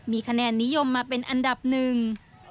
มีคะแนนนิยมมาเป็นอันดับหนึ่ง